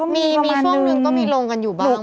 มีช่วงนึงก็มีลงกันอยู่บ้าง